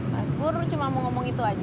mas bur cuma mau ngomong itu aja